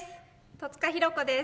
戸塚寛子です。